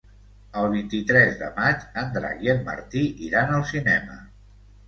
El vint-i-tres de maig en Drac i en Martí iran al cinema.